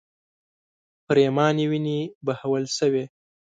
پرېمانې وینې بهول شوې.